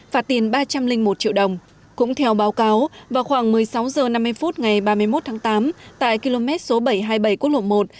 phạt tiền ba trăm linh một triệu đồng cũng theo báo cáo vào khoảng một mươi sáu h năm mươi phút ngày ba mươi một tháng tám tại km số bảy trăm hai mươi bảy quốc lộ một